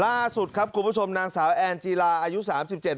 ล่าสุดครับคุณผู้ชมนางสาวแอนจีลาอายุสามสิบเจ็ด